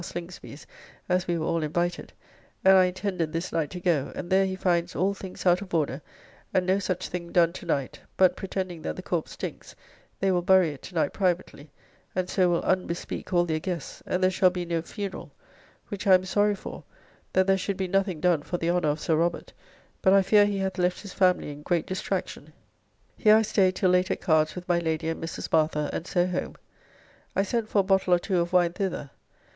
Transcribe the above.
Slingsby's, as we were all invited, and I intended this night to go, and there he finds all things out of order, and no such thing done to night, but pretending that the corps stinks, they will bury it to night privately, and so will unbespeak all their guests, and there shall be no funerall, which I am sorry for, that there should be nothing done for the honour of Sir Robert, but I fear he hath left his family in great distraction. Here I staid till late at cards with my Lady and Mrs. Martha, and so home. I sent for a bottle or two of wine thither.